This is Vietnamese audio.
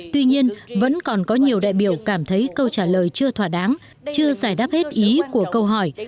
tuy nhiên vẫn còn có nhiều đại biểu cảm thấy câu trả lời chưa thỏa đáng chưa giải đáp hết ý của câu hỏi